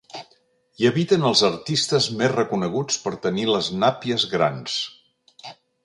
Hi habiten els artistes més reconeguts per tenir les nàpies grans.